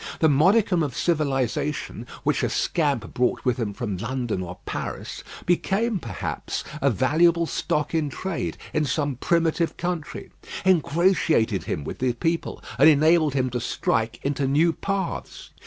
The modicum of civilisation which a scamp brought with him from London or Paris became, perhaps, a valuable stock in trade in some primitive country, ingratiated him with the people, and enabled him to strike into new paths.